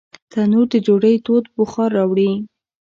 تنور د ډوډۍ تود بخار راوړي